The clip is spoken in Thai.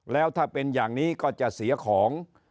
แล้วถ้าเป็นอย่างนี้ก็จะเสียของ